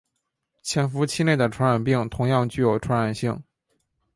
潜伏期内的传染病同样具有传染性。